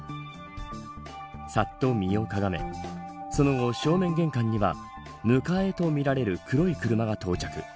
さっと身をかがめその後、正面玄関には迎えとみられる黒い車が到着。